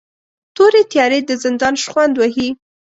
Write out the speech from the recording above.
تورې تیارې د زندان شخوند وهي